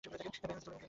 Batter সময়জ্ঞানও আছে।